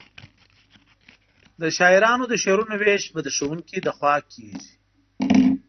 د شاعرانو د شعرونو وېش به د ښوونکي له خوا کیږي.